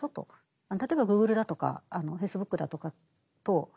例えばＧｏｏｇｌｅだとかＦａｃｅｂｏｏｋだとかと契約したんですよ。